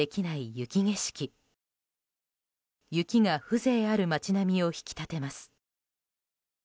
雪が風情ある街並みを引き立てます。